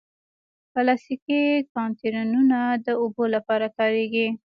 پلاستيکي کانټینرونه د اوبو لپاره کارېږي.